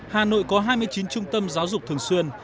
hà nội có hai mươi chín trung tâm giáo dục thường xuyên